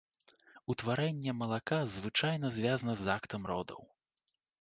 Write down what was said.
Утварэнне малака звычайна звязана з актам родаў.